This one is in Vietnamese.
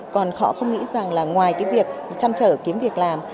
còn họ không nghĩ rằng là ngoài cái việc chăn trở kiếm việc làm